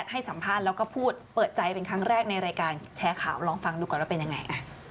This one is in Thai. ให้สัมภาษณ์แล้วก็พูดเปิดใจเป็นครั้งแรกในรายการแชร์ข่าวลองฟังดูก่อนว่าเป็นยังไง